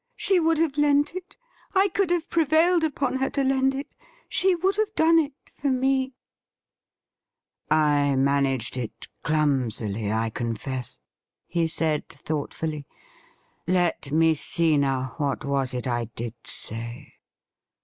She would have lent it. I could have prevailed upon her to lend it. She would have done it for me.' ' I managed it clumsily, I confess,' he said thoughtfully. ' Let me see now — what was it I did say